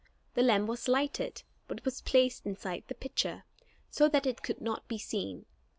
The lamp was lighted, but was placed inside the pitcher, so that it could not be seen.